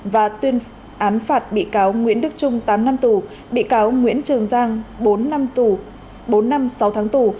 và tuyên án phạt bị cáo nguyễn đức trung tám năm tù bị cáo nguyễn trường giang bốn năm sáu tháng tù